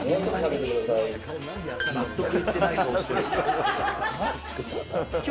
納得いってない顔してる。